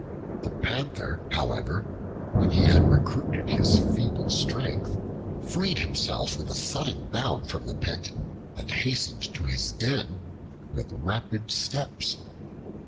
The Panther, however, when he had recruited his feeble strength, freed himself with a sudden bound from the pit, and hastened to his den with rapid steps.